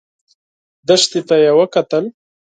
دښتې ته يې وکتل.